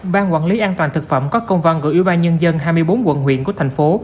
ban quản lý an toàn thực phẩm có công văn gửi ủy ban nhân dân hai mươi bốn quận huyện của thành phố